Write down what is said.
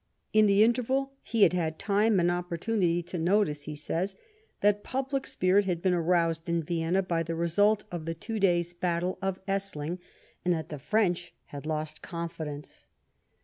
In the interval he had had time and opportunity to notice, he says, that public spirit had been aroused in Vienna by the result of the two days' battle of THE WAB OF 1809. 47 Essling, and that the French had lost confidence.